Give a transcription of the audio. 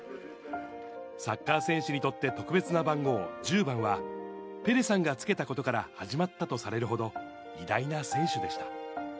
サッカー選手にとって特別な番号１０番は、ペレさんがつけたことから始まったとされるほど偉大な選手でした。